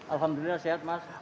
alhamdulillah sehat mas